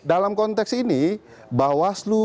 dalam konteks ini bawaslu